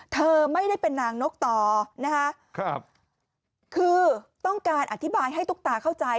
เธอไม่ได้เป็นนางนกต่อนะคะครับคือต้องการอธิบายให้ตุ๊กตาเข้าใจ